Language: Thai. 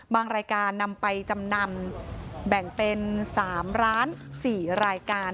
รายการนำไปจำนำแบ่งเป็น๓๔รายการ